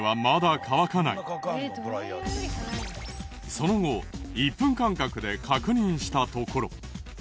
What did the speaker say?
その後１分間隔で確認したところ。